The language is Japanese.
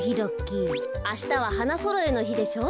あしたは花そろえのひでしょう。